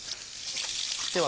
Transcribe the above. では